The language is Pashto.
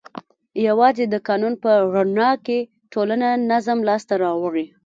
یوازې د قانون په رڼا کې ټولنه نظم لاس ته راوړي.